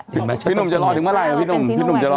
พี่หนุ่มจะรอถึงเมื่อไหร่พี่หนุ่มจะรอ